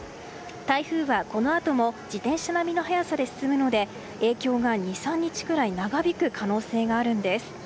台風はこのあとも自転車並みの速さで進むので影響が２３日くらい長引く可能性があるんです。